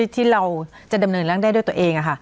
ที่เราจะดำเนินร่างได้ด้วยตัวเอง